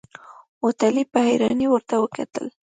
هوټلي په حيرانۍ ورته وکتل.